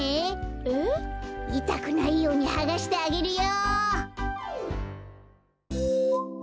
えっ？いたくないようにはがしてあげるよ。